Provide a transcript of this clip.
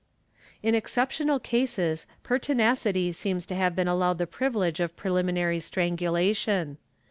^ In exceptional cases pertinacity seems to have been allowed the privilege of preliminary strangulation.